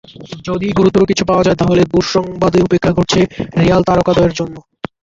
যদি গুরুতর কিছু পাওয়া যায়, তাহলে দুঃসংবাদই অপেক্ষা করছে রিয়াল তারকাদ্বয়ের জন্য।